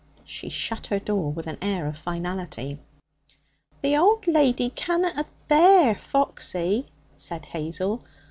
She shut her door with an air of finality. 'The old lady canna'd abear Foxy,' said Hazel.